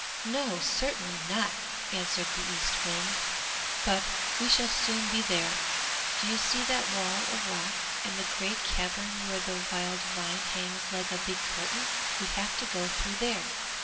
'No, certainly not!' answered the Eastwind. 'But we shall soon be there. Do you see that wall of rock and the great cavern where the wild vine hangs like a big curtain? We have to go through there!